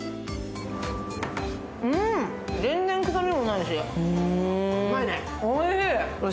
うん、全然臭みもないし、おいしい。